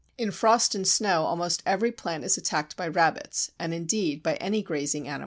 " In frost and snow almost every plant is attacked by rabbits, and indeed by any grazing animal.